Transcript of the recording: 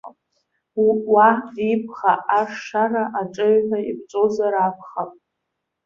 Уа ибӷа-ашшара аҿаҩҳәа иԥҵәозар акәхап.